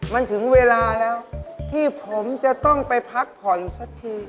มันถึงเวลาแล้วที่ผมจะต้องไปพักผ่อนสักที